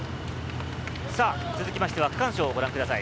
続きましては区間賞をご覧ください。